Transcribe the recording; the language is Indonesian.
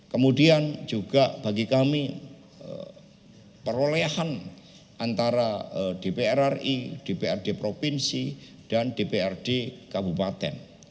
kemudian juga bagi kami perolehan antara dpr ri dprd provinsi dan dprd kabupaten